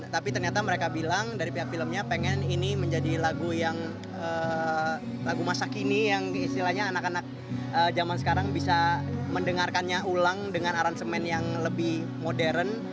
tapi ternyata mereka bilang dari pihak filmnya pengen ini menjadi lagu yang lagu masa kini yang diistilahnya anak anak zaman sekarang bisa mendengarkannya ulang dengan aransemen yang lebih modern